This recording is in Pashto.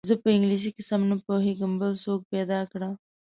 زه په انګلیسي سم نه پوهېږم بل څوک پیدا کړه.